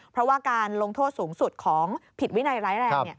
เพราะว่าการลงโทษสูงสุดของผิดวินัยร้ายแรง